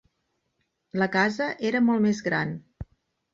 La casa era molt més gran.